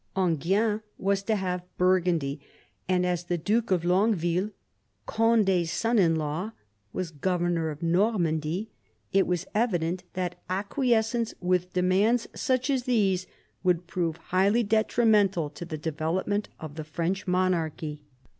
Enghien was to have Burgundy; and as the Duke of Longueville, Condi's son in law, was governor of Normandy, it was evident that acquiescence with demands such as these would prove highly detrimental to the development of the French monarchy.